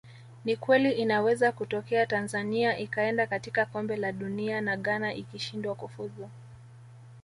Ni kweli inaweza kutokea Tanzania ikaenda katika Kombe la Dunia na Ghana ikishindwa kufuzu